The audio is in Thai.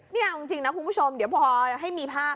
นี่เอาจริงนะคุณผู้ชมเดี๋ยวพอให้มีภาพ